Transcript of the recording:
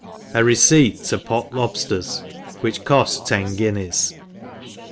Areceipt topotLonsTKRS, wbichcojl ten guineas.